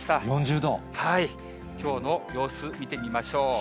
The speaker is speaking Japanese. きょうの様子、見てみましょう。